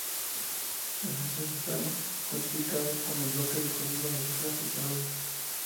El mensaje está codificado en el bloque de código de la clase Saludos.